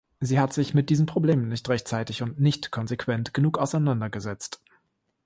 Sie hat sich mit diesen Problemen nicht rechtzeitig und nicht konsequent genug auseinander gesetzt.